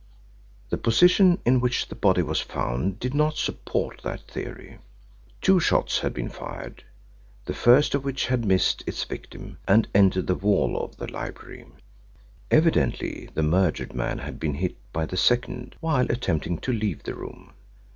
The position in which the body was found did not support that theory. Two shots had been fired, the first of which had missed its victim, and entered the wall of the library. Evidently the murdered man had been hit by the second while attempting to leave the room.